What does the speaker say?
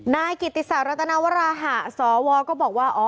นายกิติสารตนวรหาสวก็บอกว่า